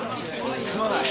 ・すまない。